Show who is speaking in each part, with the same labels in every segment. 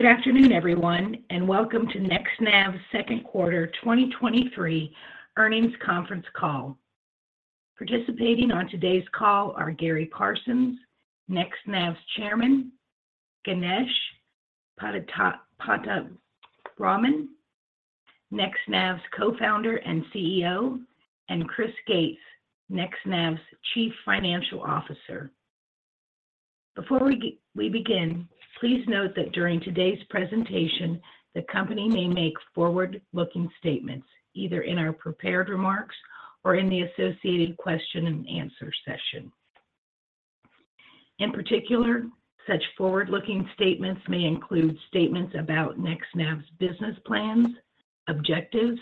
Speaker 1: Good afternoon, everyone, and welcome to NextNav's Q2 2023 earnings conference call. Participating on today's call are Gary Parsons, NextNav's Chairman; Ganesh Pattabiraman, NextNav's Co-founder and CEO; and Chris Gates, NextNav's Chief Financial Officer. Before we begin, please note that during today's presentation, the company may make forward-looking statements, either in our prepared remarks or in the associated question and answer session. In particular, such forward-looking statements may include statements about NextNav's business plans, objectives,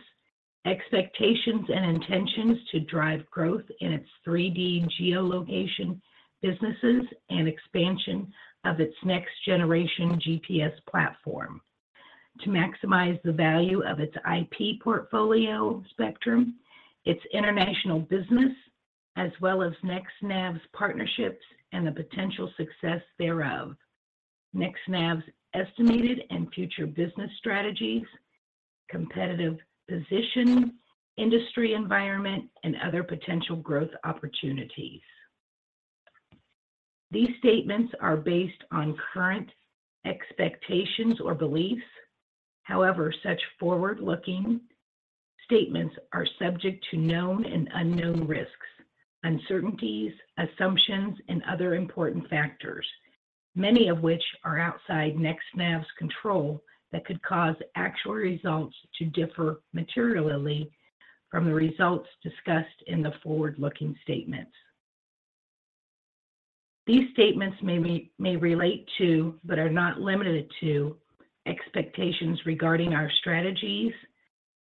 Speaker 1: expectations, and intentions to drive growth in its 3D geolocation businesses and expansion of its next generation GPS platform. To maximize the value of its IP portfolio spectrum, its international business, as well as NextNav's partnerships and the potential success thereof. NextNav's estimated and future business strategies, competitive position, industry environment, and other potential growth opportunities. These statements are based on current expectations or beliefs. However, such forward-looking statements are subject to known and unknown risks, uncertainties, assumptions, and other important factors, many of which are outside NextNav's control, that could cause actual results to differ materially from the results discussed in the forward-looking statements. These statements may relate to, but are not limited to, expectations regarding our strategies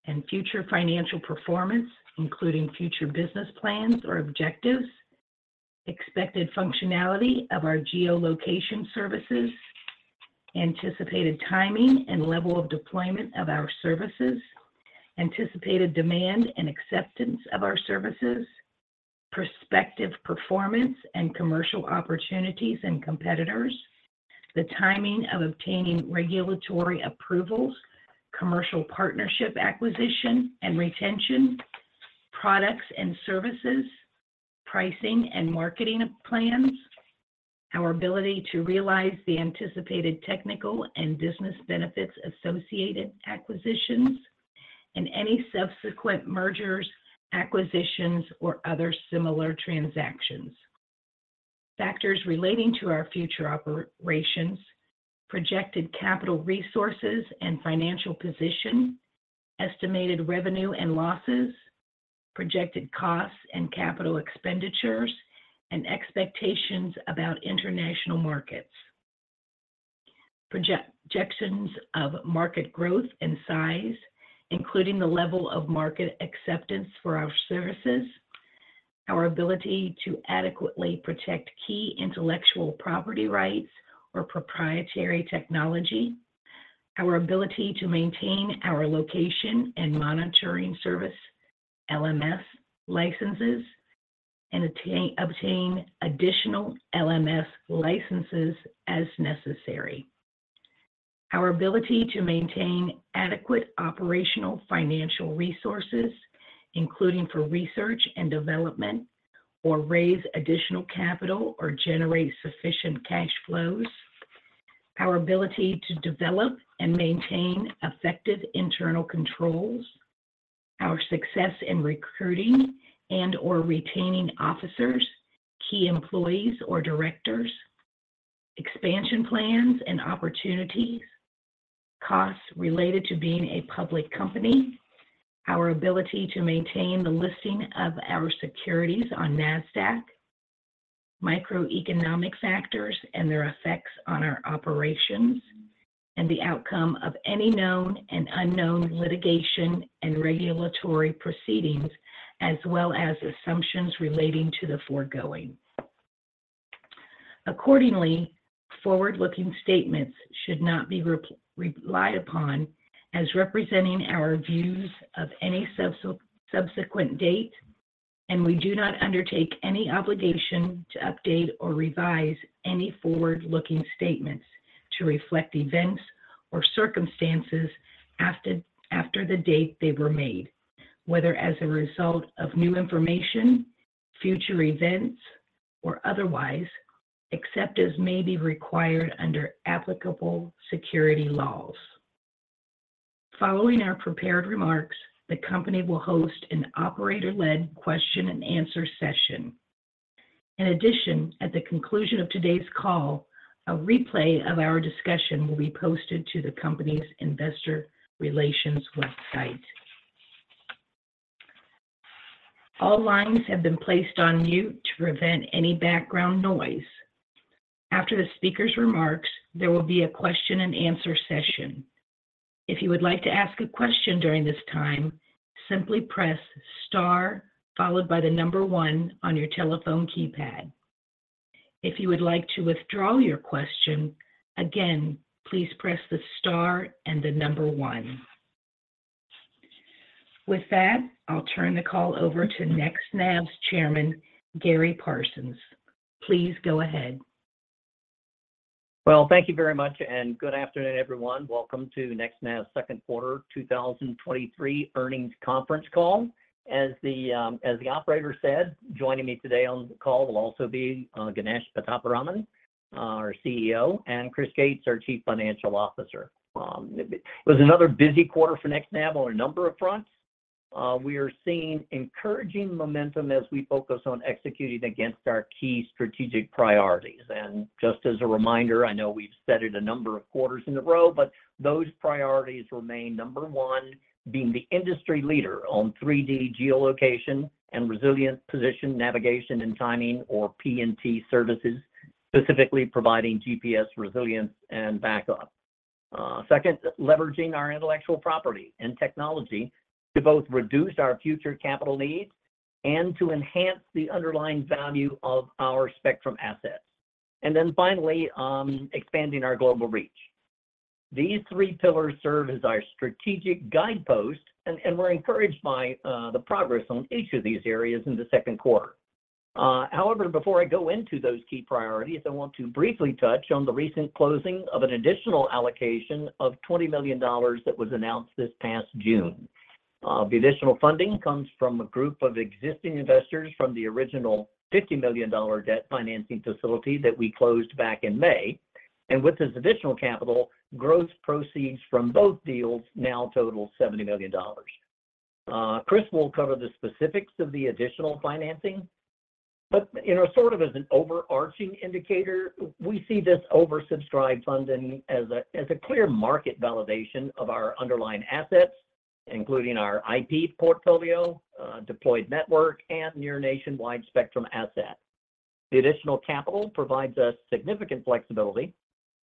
Speaker 1: and future financial performance, including future business plans or objectives, expected functionality of our geolocation services, anticipated timing and level of deployment of our services, anticipated demand and acceptance of our services, prospective performance and commercial opportunities and competitors, the timing of obtaining regulatory approvals, commercial partnership acquisition and retention, products and services, pricing and marketing plans, our ability to realize the anticipated technical and business benefits associated acquisitions, and any subsequent mergers, acquisitions, or other similar transactions. Factors relating to our future operations, projected capital resources and financial position, estimated revenue and losses, projected costs and capital expenditures, and expectations about international markets. Projections of market growth and size, including the level of market acceptance for our services, our ability to adequately protect key intellectual property rights or proprietary technology, our ability to maintain our location and monitoring service, LMS licenses, and obtain additional LMS licenses as necessary. Our ability to maintain adequate operational financial resources, including for research and development, or raise additional capital or generate sufficient cash flows. Our ability to develop and maintain effective internal controls. Our success in recruiting and/or retaining officers, key employees, or directors. Expansion plans and opportunities. Costs related to being a public company. Our ability to maintain the listing of our securities on Nasdaq. Microeconomic factors and their effects on our operations, the outcome of any known and unknown litigation and regulatory proceedings, as well as assumptions relating to the foregoing. Accordingly, forward-looking statements should not be relied upon as representing our views of any subsequent date, and we do not undertake any obligation to update or revise any forward-looking statements to reflect events or circumstances after, after the date they were made, whether as a result of new information, future events, or otherwise, except as may be required under applicable security laws. Following our prepared remarks, the company will host an operator-led question and answer session. In addition, at the conclusion of today's call, a replay of our discussion will be posted to the company's investor relations website. All lines have been placed on mute to prevent any background noise. After the speaker's remarks, there will be a question and answer session. If you would like to ask a question during this time, simply press star followed by the 1 on your telephone keypad. If you would like to withdraw your question, again, please press the star and the 1. With that, I'll turn the call over to NextNav's Chairman, Gary Parsons. Please go ahead.
Speaker 2: Well, thank you very much, and good afternoon, everyone. Welcome to NextNav's Q2 2023 earnings conference call. As the operator said, joining me today on the call will also be Ganesh Pattabiraman, our CEO, and Chris Gates, our Chief Financial Officer. It was another busy quarter for NextNav on a number of fronts. We are seeing encouraging momentum as we focus on executing against our key strategic priorities. Just as a reminder, I know we've said it a number of quarters in a row, but those priorities remain: number one, being the industry leader on 3D geolocation and resilient position, navigation, and timing, or PNT services, specifically providing GPS resilience and backup. Second, leveraging our intellectual property and technology to both reduce our future capital needs and to enhance the underlying value of our spectrum assets. Finally, expanding our global reach. These three pillars serve as our strategic guideposts, and we're encouraged by the progress on each of these areas in the Q2. However, before I go into those key priorities, I want to briefly touch on the recent closing of an additional allocation of $20 million that was announced this past June. The additional funding comes from a group of existing investors from the original $50 million debt financing facility that we closed back in May. With this additional capital, gross proceeds from both deals now total $70 million. Chris will cover the specifics of the additional financing, but, you know, sort of as an overarching indicator, we see this oversubscribed funding as a clear market validation of our underlying assets, including our IP portfolio, deployed network, and near nationwide spectrum asset. The additional capital provides us significant flexibility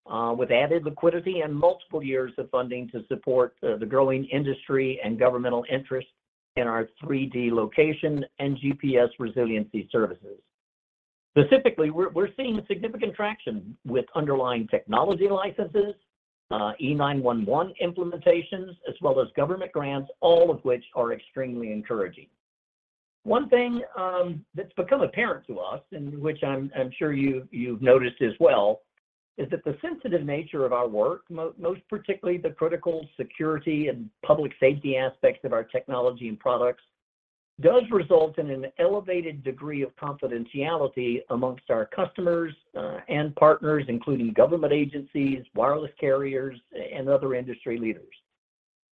Speaker 2: with added liquidity and multiple years of funding to support the growing industry and governmental interest in our 3D location and GPS resilience services. Specifically, we're seeing significant traction with underlying technology licenses, E911 implementations, as well as government grants, all of which are extremely encouraging. One thing, that's become apparent to us, and which I'm, I'm sure you've, you've noticed as well, is that the sensitive nature of our work, most particularly the critical security and public safety aspects of our technology and products, does result in an elevated degree of confidentiality amongst our customers, and partners, including government agencies, wireless carriers, and other industry leaders.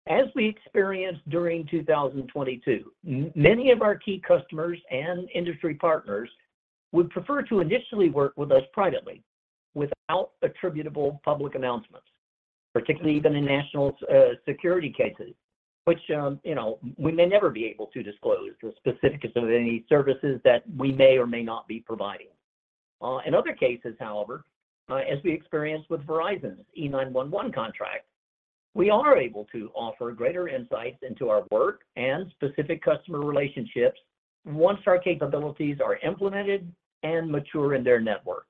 Speaker 2: As we experienced during 2022, many of our key customers and industry partners would prefer to initially work with us privately, without attributable public announcements, particularly even in national, security cases, which, you know, we may never be able to disclose the specifics of any services that we may or may not be providing. In other cases, however, as we experienced with Verizon's E911 contract, we are able to offer greater insights into our work and specific customer relationships once our capabilities are implemented and mature in their networks.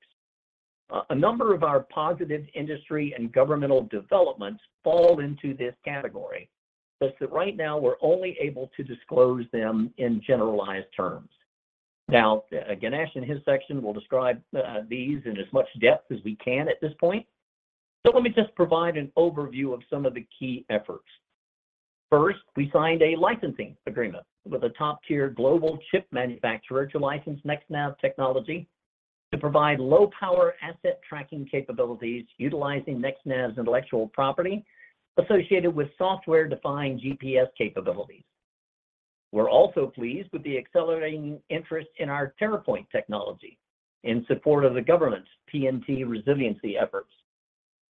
Speaker 2: A number of our positive industry and governmental developments fall into this category, but right now, we're only able to disclose them in generalized terms. Ganesh, in his section, will describe these in as much depth as we can at this point. Let me just provide an overview of some of the key efforts. First, we signed a licensing agreement with a top-tier global chip manufacturer to license NextNav technology to provide low-power asset tracking capabilities utilizing NextNav's intellectual property associated with software-defined GPS capabilities. We're also pleased with the accelerating interest in our TerraPoiNT technology in support of the government's PNT resiliency efforts.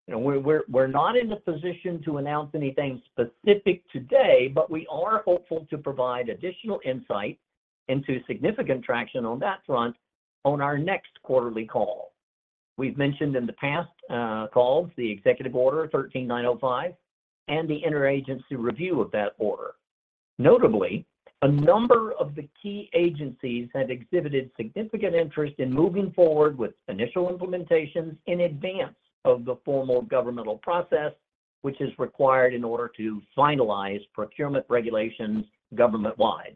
Speaker 2: You know, we're, we're, we're not in a position to announce anything specific today, but we are hopeful to provide additional insight into significant traction on that front on our next quarterly call. We've mentioned in the past calls, the Executive Order 13905 and the interagency review of that order. Notably, a number of the key agencies have exhibited significant interest in moving forward with initial implementations in advance of the formal governmental process, which is required in order to finalize procurement regulations government-wide.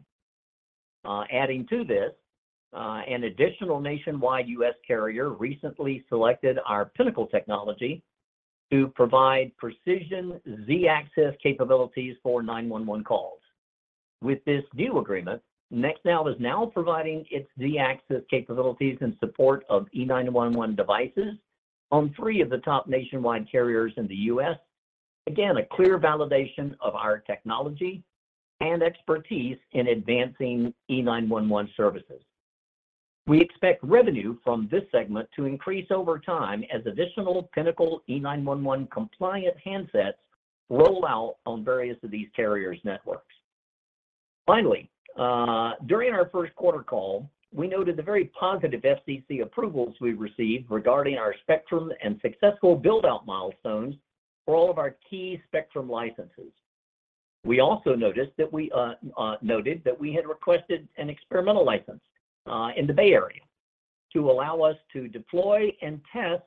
Speaker 2: Adding to this, an additional nationwide U.S. carrier recently selected our Pinnacle technology to provide precision z-axis capabilities for 911 calls. With this new agreement, NextNav is now providing its z-axis capabilities in support of E911 devices on 3 of the top nationwide carriers in the U.S. Again, a clear validation of our technology and expertise in advancing E911 services. We expect revenue from this segment to increase over time as additional Pinnacle E911 compliant handsets roll out on various of these carriers' networks. Finally, during our Q1 call, we noted the very positive FCC approvals we received regarding our spectrum and successful build-out milestones for all of our key spectrum licenses. We also noticed that we noted that we had requested an experimental license in the Bay Area to allow us to deploy and test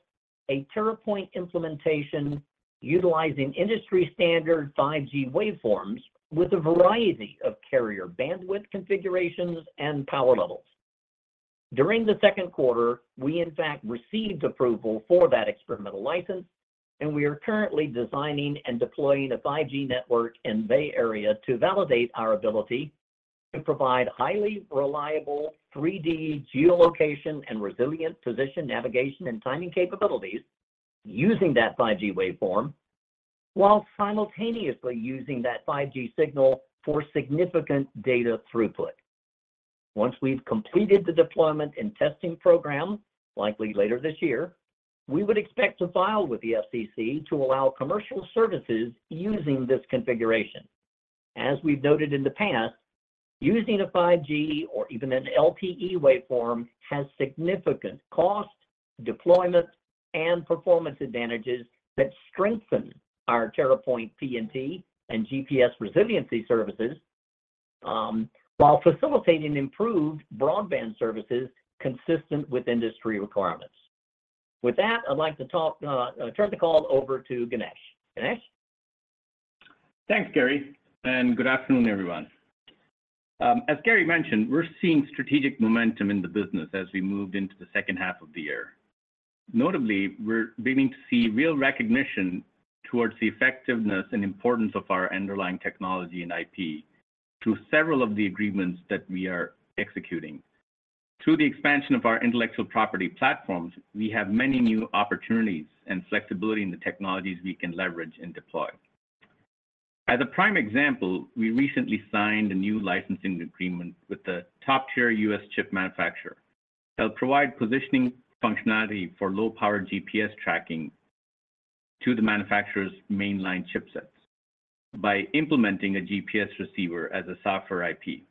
Speaker 2: a TerraPoiNT implementation, utilizing industry-standard 5G waveforms, with a variety of carrier bandwidth configurations and power levels. During the Q2, we in fact received approval for that experimental license, and we are currently designing and deploying a 5G network in Bay Area to validate our ability to provide highly reliable 3D geolocation and resilient position, navigation, and timing capabilities using that 5G waveform, while simultaneously using that 5G signal for significant data throughput. Once we've completed the deployment and testing program, likely later this year, we would expect to file with the FCC to allow commercial services using this configuration. As we've noted in the past, using a 5G or even an LTE waveform has significant cost, deployment, and performance advantages that strengthen our TerraPoiNT PNT and GPS resiliency services, while facilitating improved broadband services consistent with industry requirements. With that, I'd like to talk, turn the call over to Ganesh. Ganesh?
Speaker 3: Thanks, Gary, good afternoon, everyone. As Gary mentioned, we're seeing strategic momentum in the business as we moved into the second half of the year. Notably, we're beginning to see real recognition towards the effectiveness and importance of our underlying technology and IP through several of the agreements that we are executing. Through the expansion of our intellectual property platforms, we have many new opportunities and flexibility in the technologies we can leverage and deploy. As a prime example, we recently signed a new licensing agreement with a top-tier U.S. chip manufacturer. They'll provide positioning functionality for low-power GPS tracking to the manufacturer's mainline chipsets by implementing a GPS receiver as a software IP.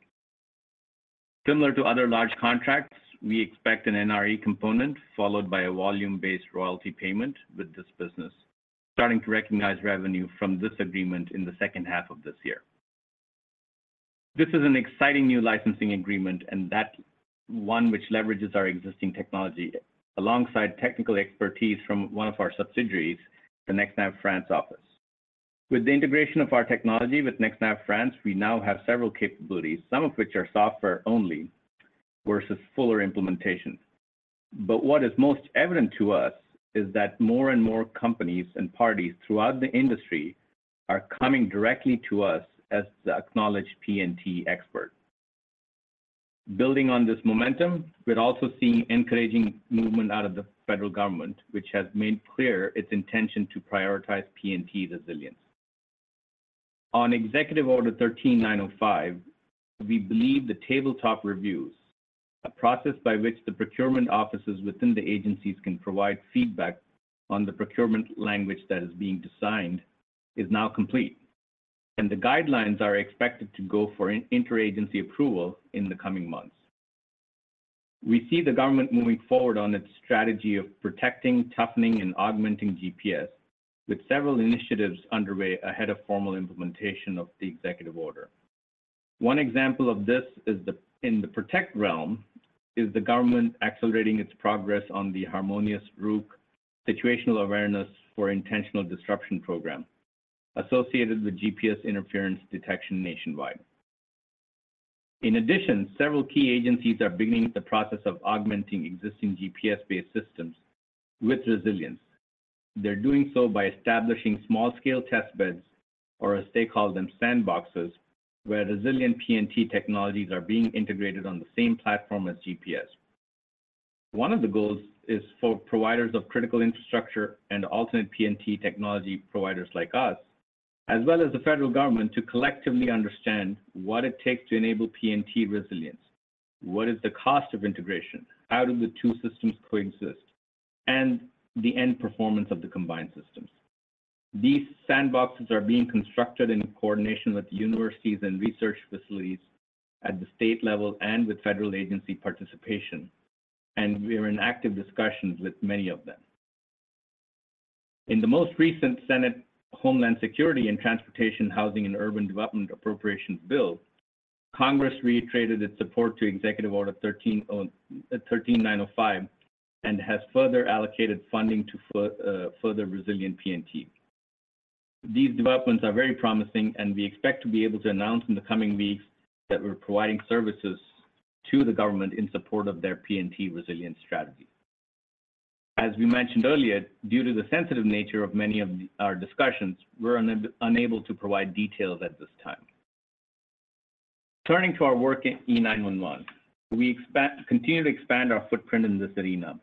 Speaker 3: Similar to other large contracts, we expect an NRE component followed by a volume-based royalty payment with this business, starting to recognize revenue from this agreement in the second half of this year. This is an exciting new licensing agreement, that's one which leverages our existing technology, alongside technical expertise from one of our subsidiaries, the NextNav France office. With the integration of our technology with NextNav France, we now have several capabilities, some of which are software-only versus fuller implementation. What is most evident to us is that more and more companies and parties throughout the industry are coming directly to us as the acknowledged PNT expert. Building on this momentum, we're also seeing encouraging movement out of the federal government, which has made clear its intention to prioritize PNT resilience. On Executive Order 13905, we believe the tabletop reviews, a process by which the procurement offices within the agencies can provide feedback on the procurement language that is being designed, is now complete, and the guidelines are expected to go for an interagency approval in the coming months. We see the government moving forward on its strategy of protecting, toughening, and augmenting GPS, with several initiatives underway ahead of formal implementation of the executive order. One example of this is in the protect realm, is the government accelerating its progress on the HARMONIOUS ROOK Situational Awareness for Intentional Disruption program associated with GPS interference detection nationwide. In addition, several key agencies are beginning the process of augmenting existing GPS-based systems with resilience. They're doing so by establishing small-scale test beds, or as they call them, sandboxes, where resilient PNT technologies are being integrated on the same platform as GPS. One of the goals is for providers of critical infrastructure and alternate PNT technology providers like us, as well as the federal government, to collectively understand what it takes to enable PNT resilience. What is the cost of integration? How do the two systems coexist? The end performance of the combined systems. These sandboxes are being constructed in coordination with universities and research facilities at the state level and with federal agency participation, and we are in active discussions with many of them. In the most recent Senate Homeland Security and Transportation, Housing and Urban Development Appropriations Bill, Congress reiterated its support to Executive Order 13905, and has further allocated funding to further resilient PNT. We expect to be able to announce in the coming weeks that we're providing services to the government in support of their PNT resilience strategy. As we mentioned earlier, due to the sensitive nature of many of our discussions, we're unable to provide details at this time. Turning to our work at E911, we continue to expand our footprint in this arena.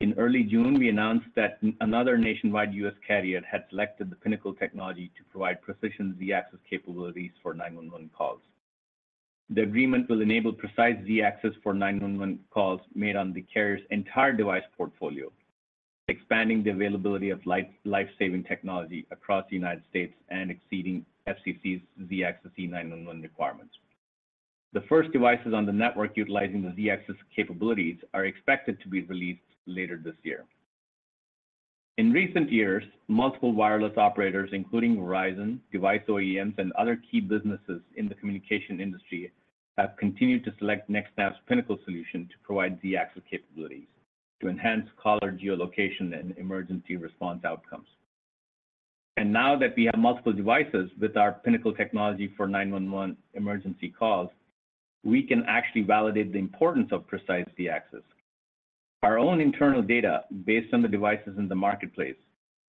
Speaker 3: In early June, we announced that another nationwide U.S. carrier had selected the Pinnacle technology to provide precision z-axis capabilities for 911 calls. The agreement will enable precise z-axis for 911 calls made on the carrier's entire device portfolio, expanding the availability of life-saving technology across the United States and exceeding FCC's z-axis E911 requirements. The first devices on the network utilizing the z-axis capabilities are expected to be released later this year. In recent years, multiple wireless operators, including Verizon, device OEMs, and other key businesses in the communication industry, have continued to select NextNav's Pinnacle solution to provide z-axis capabilities to enhance caller geolocation and emergency response outcomes. Now that we have multiple devices with our Pinnacle technology for 911 emergency calls, we can actually validate the importance of precise z-axis. Our own internal data, based on the devices in the marketplace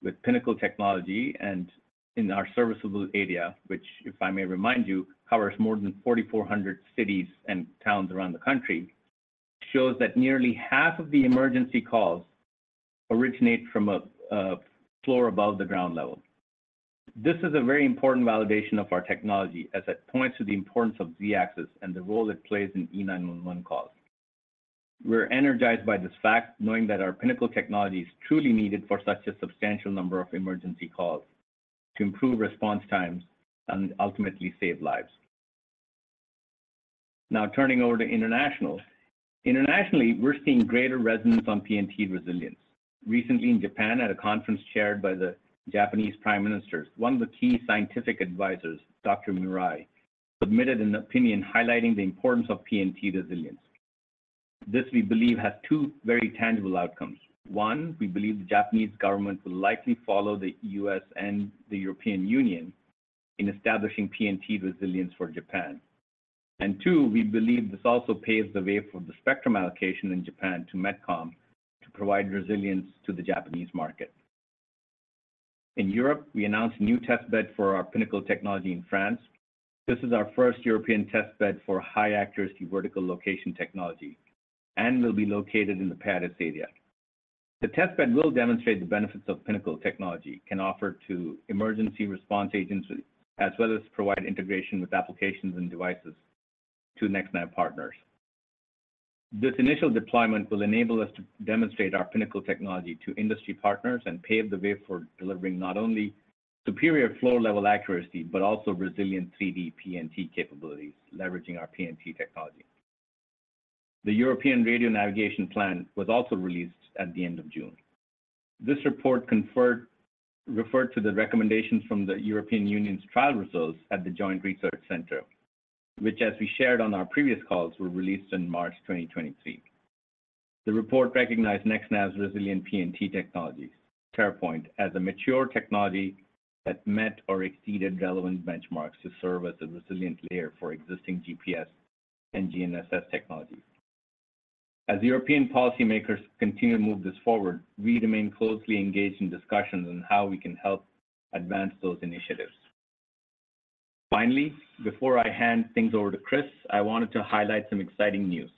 Speaker 3: with Pinnacle technology and in our serviceable area, which, if I may remind you, covers more than 4,400 cities and towns around the country, shows that nearly half of the emergency calls originate from a floor above the ground level. This is a very important validation of our technology, as it points to the importance of z-axis and the role it plays in E911 calls. We're energized by this fact, knowing that our Pinnacle technology is truly needed for such a substantial number of emergency calls to improve response times and ultimately save lives. Now, turning over to international. Internationally, we're seeing greater resonance on PNT resilience. Recently in Japan, at a conference chaired by the Japanese Prime Minister, one of the key scientific advisors, Dr. Murai, submitted an opinion highlighting the importance of PNT resilience. This, we believe, has two very tangible outcomes. One, we believe the Japanese government will likely follow the U.S. and the European Union in establishing PNT resilience for Japan. Two, we believe this also paves the way for the spectrum allocation in Japan to MetCom to provide resilience to the Japanese market. In Europe, we announced a new test bed for our Pinnacle technology in France. This is our first European test bed for high-accuracy, vertical location technology and will be located in the Paris area. The test bed will demonstrate the benefits Pinnacle technology can offer to emergency response agencies, as well as provide integration with applications and devices to NextNav partners. This initial deployment will enable us to demonstrate our Pinnacle technology to industry partners and pave the way for delivering not only superior floor-level accuracy, but also resilient 3D PNT capabilities, leveraging our PNT technology. The European Radio Navigation Plan was also released at the end of June. This report referred to the recommendations from the European Union's trial results at the Joint Research Centre, which, as we shared on our previous calls, were released in March 2023. The report recognized NextNav's resilient PNT technologies, TerraPoiNT, as a mature technology that met or exceeded relevant benchmarks to serve as a resilient layer for existing GPS and GNSS technologies. As European policymakers continue to move this forward, we remain closely engaged in discussions on how we can help advance those initiatives. Finally, before I hand things over to Chris, I wanted to highlight some exciting news.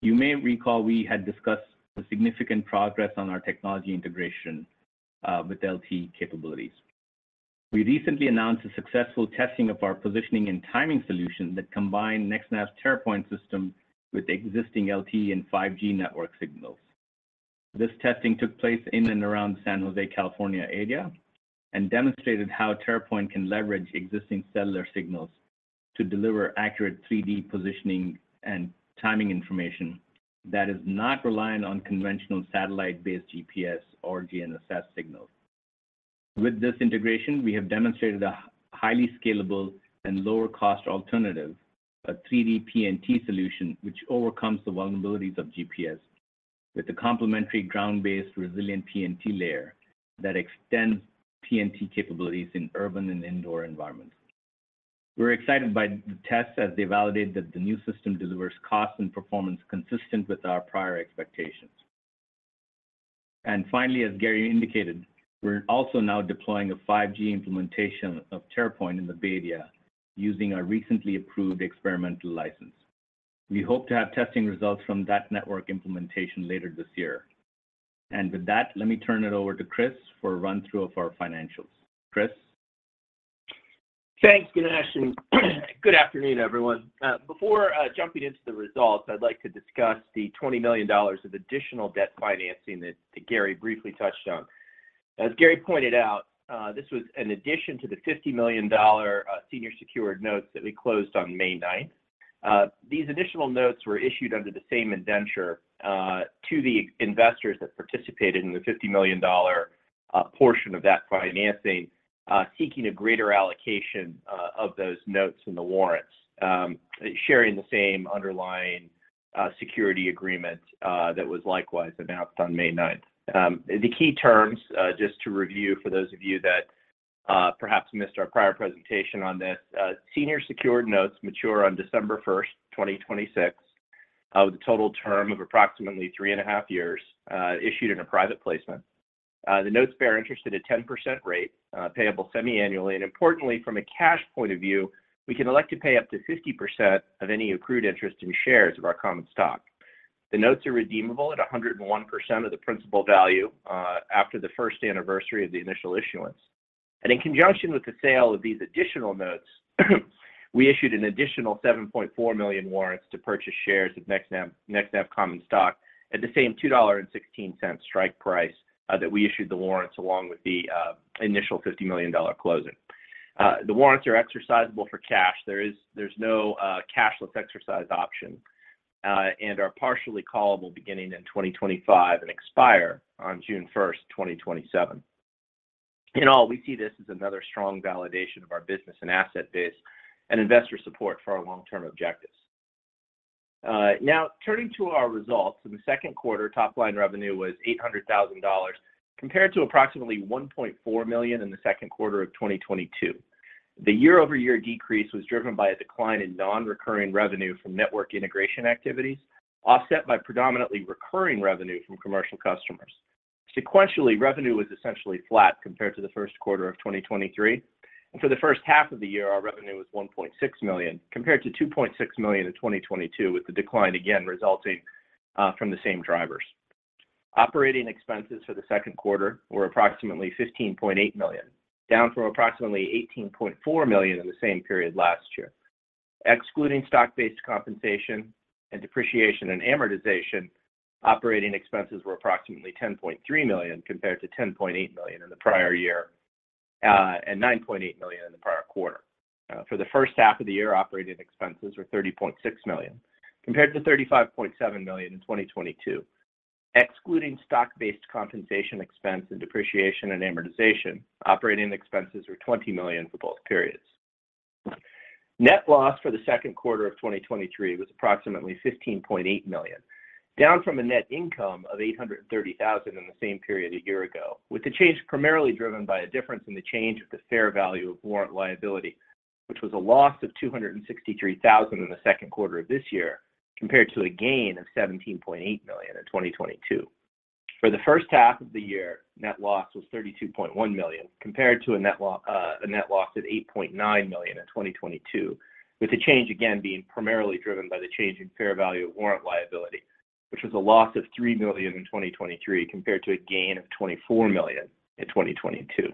Speaker 3: You may recall we had discussed the significant progress on our technology integration with LTE capabilities. We recently announced a successful testing of our positioning and timing solution that combined NextNav's TerraPoiNT system with existing LTE and 5G network signals. This testing took place in and around San Jose, California, area, demonstrated how TerraPoiNT can leverage existing cellular signals to deliver accurate 3D positioning and timing information that is not reliant on conventional satellite-based GPS or GNSS signals. With this integration, we have demonstrated a highly scalable and lower-cost alternative, a 3D PNT solution, which overcomes the vulnerabilities of GPS with a complementary ground-based, resilient PNT layer that extends PNT capabilities in urban and indoor environments. We're excited by the test as they validate that the new system delivers cost and performance consistent with our prior expectations. Finally, as Gary indicated, we're also now deploying a 5G implementation of TerraPoiNT in the Bay Area using our recently approved experimental license. We hope to have testing results from that network implementation later this year. With that, let me turn it over to Chris for a run-through of our financials. Chris?
Speaker 4: Thanks, Ganesh, and good afternoon, everyone. Before jumping into the results, I'd like to discuss the $20 million of additional debt financing that Gary briefly touched on. As Gary pointed out, this was an addition to the $50 million senior secured notes that we closed on May ninth. These additional notes were issued under the same indenture to the investors that participated in the $50 million portion of that financing, seeking a greater allocation of those notes in the warrants, sharing the same underlying security agreement that was likewise announced on May ninth. The key terms, just to review for those of you that perhaps missed our prior presentation on this. Senior secured notes mature on December 1, 2026, with a total term of approximately 3.5 years, issued in a private placement. The notes bear interest at a 10% rate, payable semiannually. And importantly, from a cash point of view, we can elect to pay up to 50% of any accrued interest in shares of our common stock. The notes are redeemable at 101% of the principal value, after the first anniversary of the initial issuance. In conjunction with the sale of these additional notes, we issued an additional 7.4 million warrants to purchase shares of NextNav, NextNav common stock at the same $2.16 strike price that we issued the warrants along with the initial $50 million closing. The warrants are exercisable for cash. There is- there's no, cashless exercise option, and are partially callable beginning in 2025 and expire on June 1, 2027. In all, we see this as another strong validation of our business and asset base and investor support for our long-term objectives. Now, turning to our results. In the Q2, top-line revenue was $800,000, compared to approximately $1.4 million in the Q2 of 2022. The year-over-year decrease was driven by a decline in non-recurring revenue from network integration activities, offset by predominantly recurring revenue from commercial customers. Sequentially, revenue was essentially flat compared to the first quarter of 2023, and for the first half of the year, our revenue was $1.6 million, compared to $2.6 million in 2022, with the decline again resulting from the same drivers. Operating expenses for the Q2 were approximately $15.8 million, down from approximately $18.4 million in the same period last year. Excluding stock-based compensation and depreciation and amortization, operating expenses were approximately $10.3 million, compared to $10.8 million in the prior year, and $9.8 million in the prior quarter. For the first half of the year, operating expenses were $30.6 million, compared to $35.7 million in 2022. Excluding stock-based compensation expense and depreciation and amortization, operating expenses were $20 million for both periods. Net loss for the Q2 of 2023 was approximately $15.8 million, down from a net income of $830,000 in the same period a year ago, with the change primarily driven by a difference in the change of the fair value of warrant liability, which was a loss of $263,000 in the Q2 of this year, compared to a gain of $17.8 million in 2022. For the first half of the year, net loss was $32.1 million, compared to a net loss of $8.9 million in 2022, with the change again being primarily driven by the change in fair value of warrant liability, which was a loss of $3 million in 2023, compared to a gain of $24 million in 2022.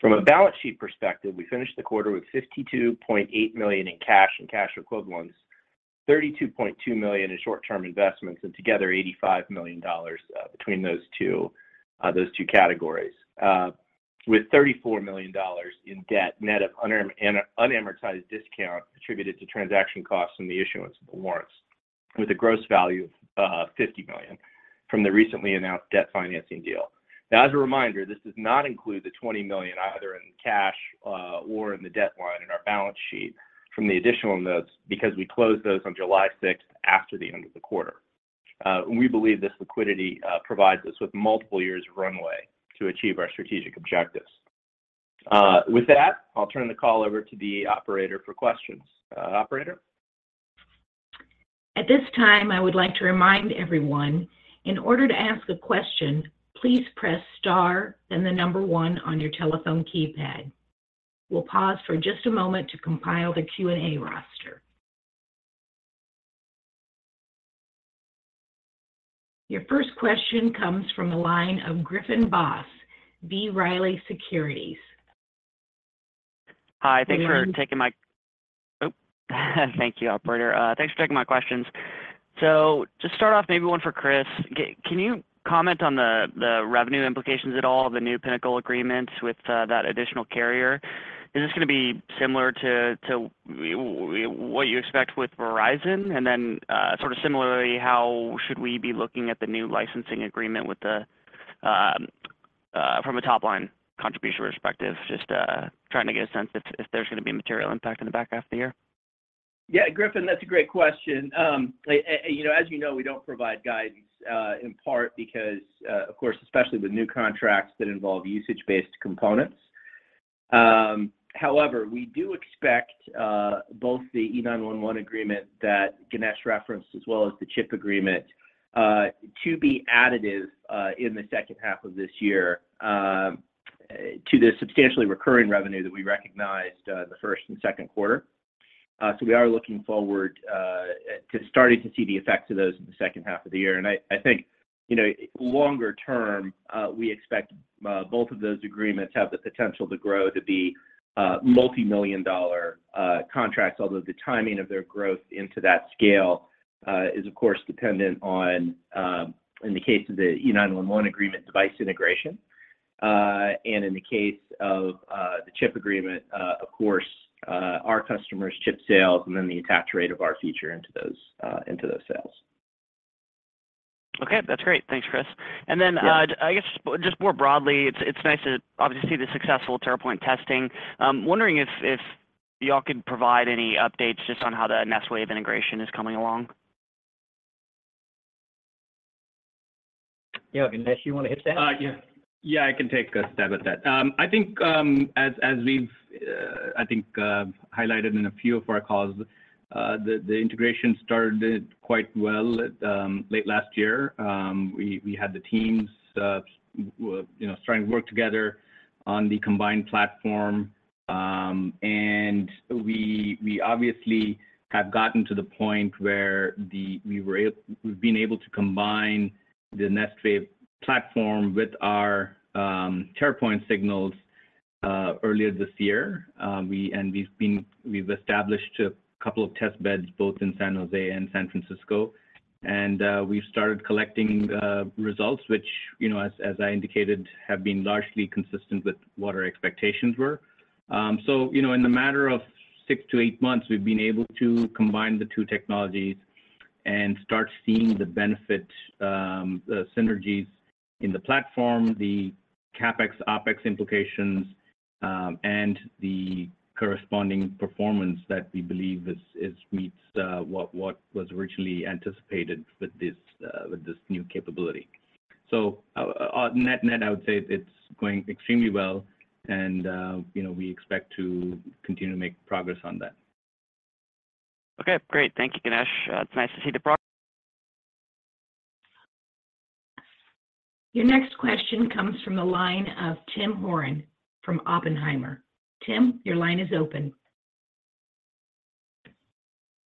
Speaker 4: From a balance sheet perspective, we finished the quarter with $52.8 million in cash and cash equivalents, $32.2 million in short-term investments, and together, $85 million between those two, those two categories. With $34 million in debt, net of unamortized discount attributed to transaction costs and the issuance of the warrants, with a gross value of $50 million from the recently announced debt financing deal. As a reminder, this does not include the $20 million, either in cash, or in the debt line in our balance sheet from the additional notes, because we closed those on July sixth, after the end of the quarter. We believe this liquidity provides us with multiple years of runway to achieve our strategic objectives. With that, I'll turn the call over to the operator for questions. Operator?
Speaker 1: At this time, I would like to remind everyone, in order to ask a question, please press star then the number one on your telephone keypad. We'll pause for just a moment to compile the Q&A roster. Your first question comes from the line of Griffin Boss, B. Riley Securities.
Speaker 5: Hi, thanks for taking my-
Speaker 4: Go ahead.
Speaker 5: Thank you, operator. Thanks for taking my questions. To start off, maybe one for Chris. Can you comment on the revenue implications at all of the new Pinnacle agreements with that additional carrier? Is this gonna be similar to what you expect with Verizon? Sort of similarly, how should we be looking at the new licensing agreement from a top-line contribution perspective? Just trying to get a sense if there's gonna be a material impact in the back half of the year?
Speaker 4: Yeah, Griffin, that's a great question. you know, as you know, we don't provide guidance, in part because, of course, especially with new contracts that involve usage-based components. However, we do expect, both the E911 agreement that Ganesh referenced, as well as the CHIP agreement, to be additive, in the second half of this year, to the substantially recurring revenue that we recognized, in the Q1 and Q2. We are looking forward, to starting to see the effects of those in the second half of the year. I, I think, you know, longer term, we expect, both of those agreements have the potential to grow to be, multimillion-dollar, contracts. Although the timing of their growth into that scale, is, of course, dependent on, in the case of the E911 agreement, device integration. And in the case of the CHIP agreement, of course, our customers' CHIP sales and then the attach rate of our feature into those, into those sales.
Speaker 5: Okay, that's great. Thanks, Chris.
Speaker 4: Yeah.
Speaker 5: I guess just, just more broadly, it's, it's nice to obviously see the successful TerraPoiNT testing. I'm wondering if, if y'all could provide any updates just on how the Nestwave integration is coming along?
Speaker 4: Yeah, Ganesh, you want to hit that?
Speaker 3: Yeah. Yeah, I can take a stab at that. I think, as, as we've, I think, highlighted in a few of our calls, the, the integration started quite well at late last year. We, we had the teams, w- you know, starting to work together on the combined platform. We, we obviously have gotten to the point where the-- we were a- we've been able to combine the Nestwave platform with our TerraPoiNT signals earlier this year. We- and we've been- we've established a couple of test beds, both in San Jose and San Francisco. We've started collecting results, which, you know, as, as I indicated, have been largely consistent with what our expectations were. You know, in the matter of-... six to eight months, we've been able to combine the two technologies and start seeing the benefit, the synergies in the platform, the CapEx, OpEx implications, and the corresponding performance that we believe meets what was originally anticipated with this new capability. Net, net, I would say it's going extremely well, you know, we expect to continue to make progress on that.
Speaker 5: Okay, great. Thank you, Ganesh. It's nice to see the pro-
Speaker 1: Your next question comes from the line of Tim Horan from Oppenheimer. Tim, your line is open.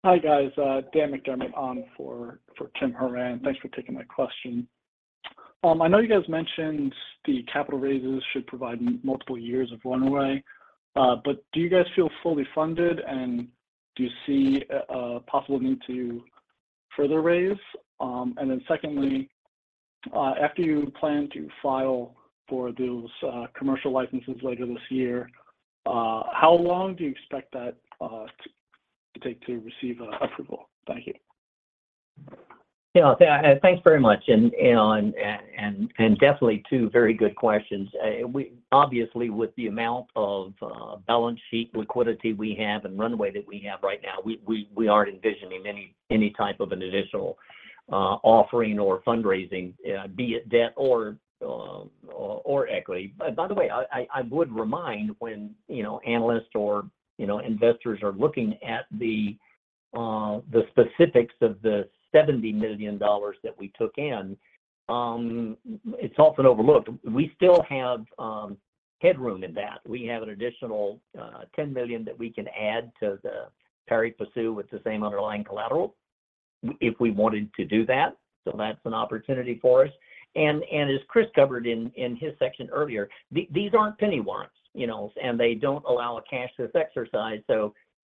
Speaker 6: Hi, guys, Dan McDermott on for, for Tim Horan. Thanks for taking my question. I know you guys mentioned the capital raises should provide multiple years of runway, but do you guys feel fully funded, and do you see a possible need to further raise? Then secondly, after you plan to file for those commercial licenses later this year, how long do you expect that to take to receive approval? Thank you.
Speaker 2: Yeah, thanks very much. Definitely two very good questions. We obviously, with the amount of balance sheet liquidity we have and runway that we have right now, we aren't envisioning any, any type of an additional offering or fundraising, be it debt or equity. By the way, I would remind when, you know, analysts or, you know, investors are looking at the specifics of the $70 million that we took in, it's often overlooked. We still have headroom in that. We have an additional $10 million that we can add to the pari passu, with the same underlying collateral, if we wanted to do that. That's an opportunity for us. As Chris covered in, in his section earlier, these, these aren't penny warrants, you know, and they don't allow a cash-less exercise.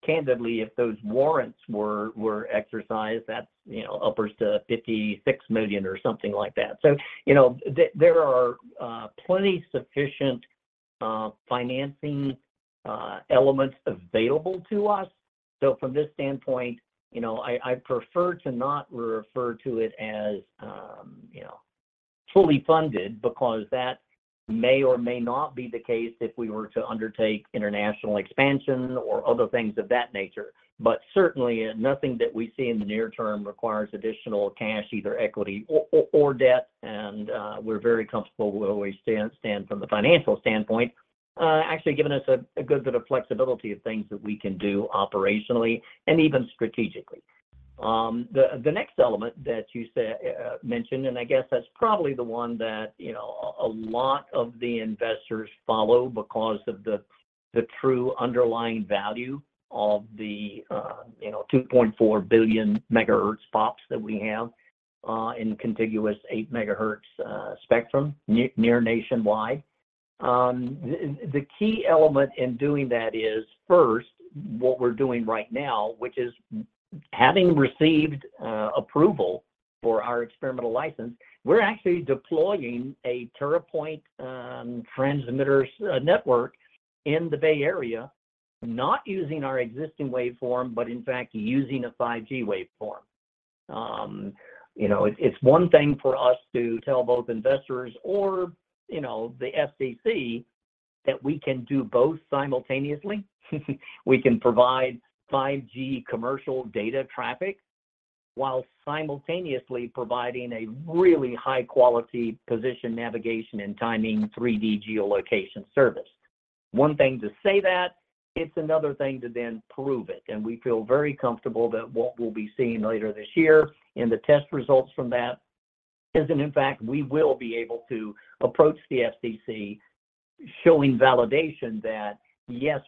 Speaker 2: Candidly, if those warrants were, were exercised, that's, you know, uppers to $56 million or something like that. You know, there, there are plenty sufficient financing elements available to us. From this standpoint, you know, I, I prefer to not refer to it as, you know, fully funded because that may or may not be the case if we were to undertake international expansion or other things of that nature. Certainly, nothing that we see in the near term requires additional cash, either equity or, or, or debt, and we're very comfortable where we stand, stand from the financial standpoint. Actually giving us a good bit of flexibility of things that we can do operationally and even strategically. The next element that you said mentioned, and I guess that's probably the one that, you know, a lot of the investors follow because of the true underlying value of the, you know, 2.4B MHz-POPs across contiguous 8 MHz near-nationwide spectrum near nationwide. The key element in doing that is, first, what we're doing right now, which is having received approval for our experimental license. We're actually deploying a TerraPoiNT transmitters network in the Bay Area, not using our existing waveform, but in fact, using a 5G waveform. You know, it's, it's one thing for us to tell both investors or, you know, the FCC, that we can do both simultaneously. We can provide 5G commercial data traffic, while simultaneously providing a really high-quality position, navigation, and timing, 3D geolocation service. One thing to say that, it's another thing to then prove it, and we feel very comfortable that what we'll be seeing later this year in the test results from that is that, in fact, we will be able to approach the FCC, showing validation that, yes,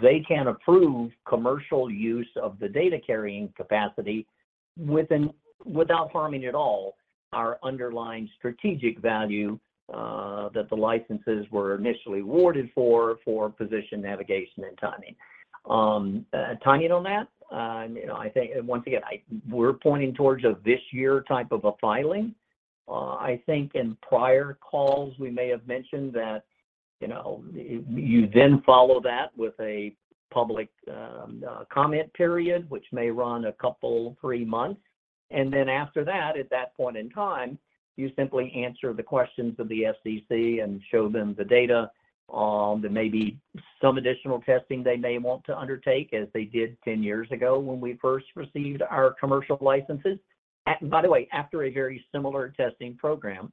Speaker 2: they can approve commercial use of the data-carrying capacity without harming at all, our underlying strategic value, that the licenses were initially awarded for, for position, navigation, and timing. Tying it on that, you know, I think once again, we're pointing towards a this year type of a filing. I think in prior calls, we may have mentioned that, you know, you then follow that with a public, comment period, which may run 2, 3 months. Then after that, at that point in time, you simply answer the questions of the FCC and show them the data, and maybe some additional testing they may want to undertake, as they did 10 years ago when we first received our commercial licenses. By the way, after a very similar testing program.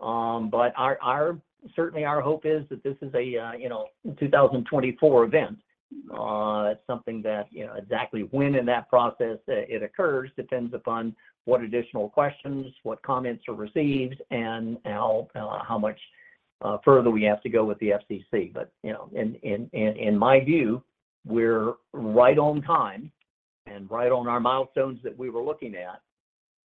Speaker 2: Our, our, certainly our hope is that this is a, you know, 2024 event. It's something that, you know, exactly when in that process, it occurs, depends upon what additional questions, what comments are received, and, how much, further we have to go with the FCC. You know, in, in, in, in my view, we're right on time and right on our milestones that we were looking at.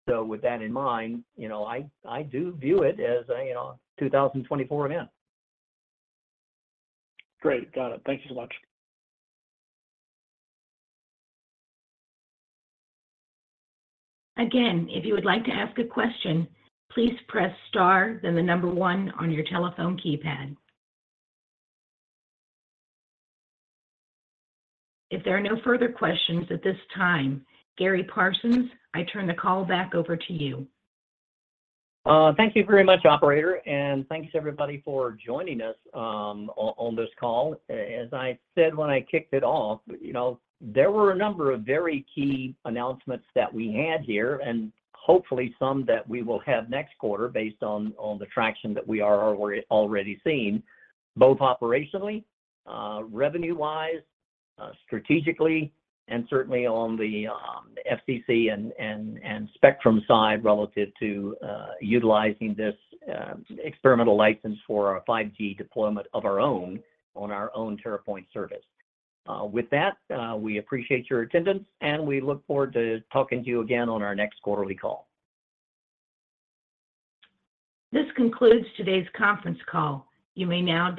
Speaker 2: With that in mind, you know, I, I do view it as a, you know, 2024 event.
Speaker 6: Great. Got it. Thank you so much.
Speaker 1: If you would like to ask a question, please press star, then 1 on your telephone keypad. If there are no further questions at this time, Gary Parsons, I turn the call back over to you.
Speaker 2: Thank you very much, operator, and thanks everybody for joining us on this call. As I said when I kicked it off, you know, there were a number of very key announcements that we had here, and hopefully some that we will have next quarter based on the traction that we are already, already seeing, both operationally, revenue-wise, strategically, and certainly on the FCC and spectrum side relative to utilizing this experimental license for our 5G deployment of our own on our own TerraPoiNT service. With that, we appreciate your attendance, and we look forward to talking to you again on our next quarterly call.
Speaker 1: This concludes today's conference call. You may now disconnect.